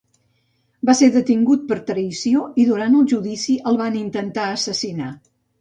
Va ser detingut per traïció i durant el judici el van intentar assassinar.